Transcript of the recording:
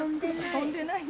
飛んでないな。